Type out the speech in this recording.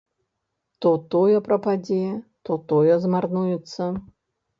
То тое прападзе, то тое змарнуецца.